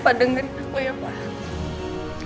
pak dengerin aku ya pak